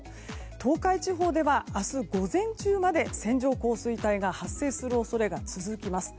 東海地方では、明日午前中まで線状降水帯が発生する恐れが続きます。